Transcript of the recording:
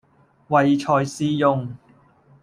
唯才是用